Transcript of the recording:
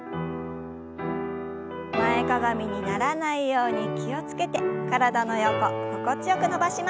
前かがみにならないように気を付けて体の横心地よく伸ばします。